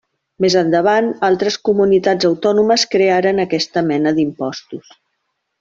Més endavant, altres comunitats autònomes crearen aquesta mena d'impostos.